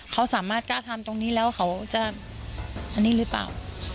เขาสามารถกล้าทำตรงนี้แล้วเขาจะอันนี้หรือเปล่า